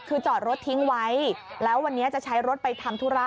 คือจอดรถทิ้งไว้แล้ววันนี้จะใช้รถไปทำธุระ